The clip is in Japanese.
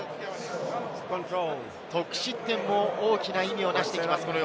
得失点も大きな意味を成してきます。